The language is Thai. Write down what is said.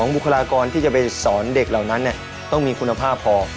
บุคลากรที่จะไปสอนเด็กเหล่านั้นต้องมีคุณภาพพอ